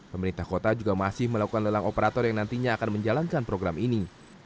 pemerintah kota juga masih melakukan lelang operator yang nantinya akan menjalankan program ini